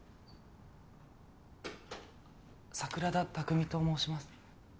桜田卓海と申します。